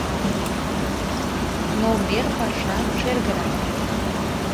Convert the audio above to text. Но мер паша шергырак